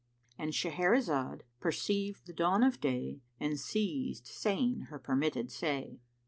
— And Shahrazad perceived the dawn of day and ceased saying her permitted say.